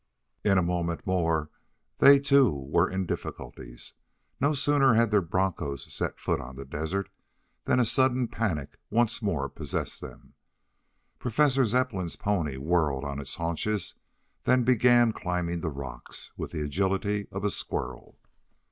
In a moment more they, too, were in difficulties. No sooner had their bronchos set foot on the desert than a sudden panic once more possessed them. Professor Zepplin's pony whirled on its haunches, then began climbing the rocks, with the agility of a squirrel.